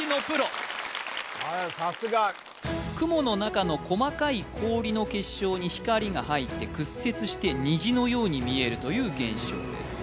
さすが雲の中の細かい氷の結晶に光が入って屈折して虹のように見えるという現象です